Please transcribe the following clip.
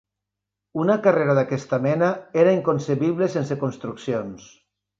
Una carrera d'aquesta mena era inconcebible sense construccions.